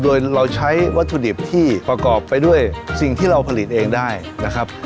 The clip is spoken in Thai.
โดยเราใช้วัตถุดิบที่ประกอบไปด้วยสิ่งที่เราผลิตเองได้นะครับ